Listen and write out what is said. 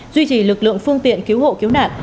duy trì lực lượng phương tiện cứu hộ cứu nạn